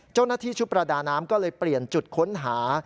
เจ้าหน้าที่ชุดประดาน้ำก็เลยเปลี่ยนจุดค้นหา